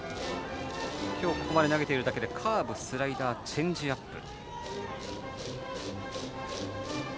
今日ここまで投げているだけでカーブ、スライダーチェンジアップ。